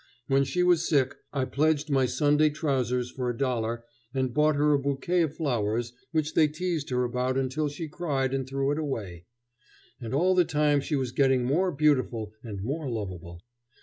When she was sick, I pledged my Sunday trousers for a dollar and bought her a bouquet of flowers which they teased her about until she cried and threw it away. And all the time she was getting more beautiful and more lovable.